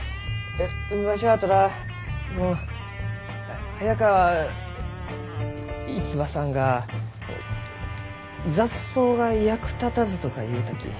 わしはただその早川逸馬さんが「雑草が役立たず」とか言うたき。